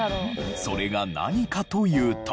それが何かというと。